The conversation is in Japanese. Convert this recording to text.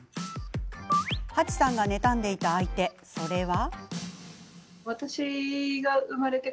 はちさんが妬んでいた相手それは。